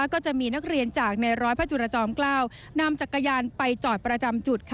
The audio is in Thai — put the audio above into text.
ก็จะมีนักเรียนจากในร้อยพระจุรจอมเกล้านำจักรยานไปจอดประจำจุด